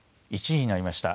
１時になりました。